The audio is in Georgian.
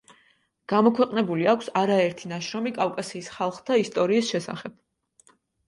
გამოქვეყნებული აქვს არაერთი ნაშრომი კავკასიის ხალხთა ისტორიის შესახებ.